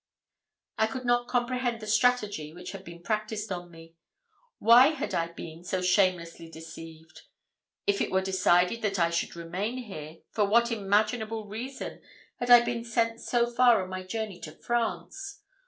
I could not comprehend the strategy which had been practised on me. Why had I been so shamelessly deceived? If it were decided that I should remain here, for what imaginable reason had I been sent so far on my journey to France?